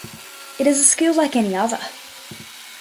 It is a skill like any other.